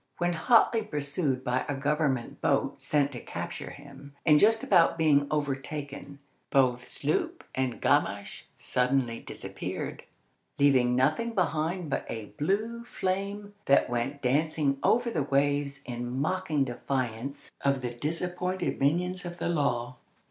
When hotly pursued by a government boat sent to capture him, and just about being overtaken, both sloop and Gamache suddenly disappeared, leaving nothing behind but a blue flame that went dancing over the waves in mocking defiance of the disappointed minions of the law.